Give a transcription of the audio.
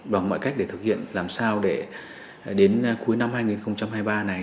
bằng mọi cách để thực hiện làm sao để đến cuối năm hai nghìn hai mươi ba này